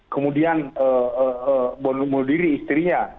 kemudian bonumudiri istrinya